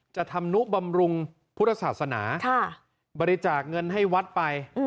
ธรรมนุบำรุงพุทธศาสนาบริจาคเงินให้วัดไป